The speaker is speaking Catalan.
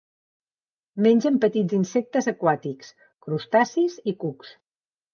Mengen petits insectes aquàtics, crustacis i cucs.